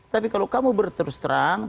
tapi kalau kamu berterus terang